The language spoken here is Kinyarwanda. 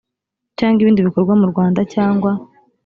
cyangwa ibindi bikorwa mu rwanda cyangwa